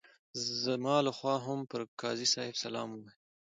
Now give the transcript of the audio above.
زما لخوا هم پر قاضي صاحب سلام ووایه.